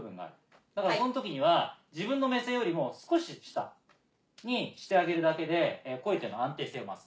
だからその時には自分の目線よりも少し下にしてあげるだけで声っていうのは安定性を増す。